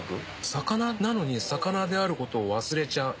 魚なのに魚であることを忘れちゃう。